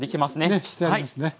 ねしてありますね。